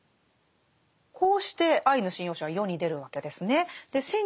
こうして「アイヌ神謡集」は世に出るわけですね。